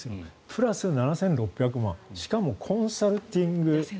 プラス７６００万しかもコンサルティング。